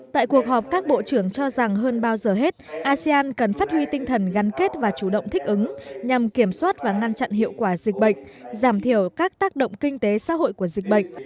tại cuộc họp các bộ trưởng cho rằng hơn bao giờ hết asean cần phát huy tinh thần gắn kết và chủ động thích ứng nhằm kiểm soát và ngăn chặn hiệu quả dịch bệnh giảm thiểu các tác động kinh tế xã hội của dịch bệnh